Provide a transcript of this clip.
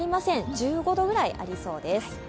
１５度ぐらいありそうです。